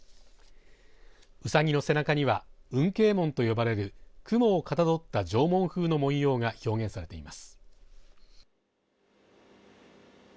うさぎの背中には雲形文と呼ばれる雲をかたどった縄文風の文様が表現されています。